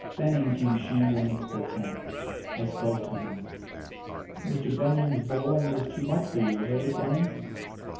Fenning came shambling into the tent. I spoke to him. "Mr. Benyon's bowling was too much for you, eh, Fenning?"